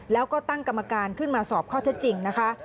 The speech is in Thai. แล้วก็ตั้งกรรมการขึ้นมาสอบข้อเท็จจริงนะคะ